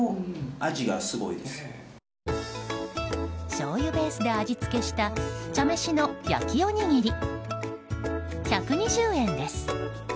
しょうゆベースで味付けした茶飯の焼きおにぎり１２０円です。